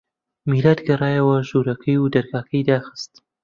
میلاد گەڕایەوە ژوورەکەی و دەرگاکەی داخست.